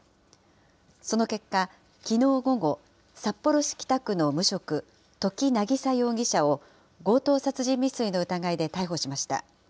その結果、きのう午後、札幌市北区の無職、土岐渚容疑者を強盗殺人未遂の疑いで逮捕しました。